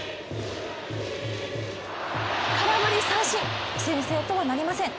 空振り三振、先制とはなりません。